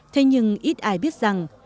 thế nhưng ít ai biết rằng